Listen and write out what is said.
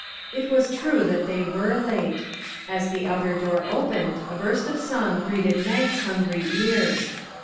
It was true that they were late; as the outer door opened, a burst of song greeted Mag's hungry ears.